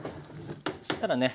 そしたらね